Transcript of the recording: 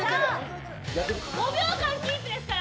５秒間キープですから。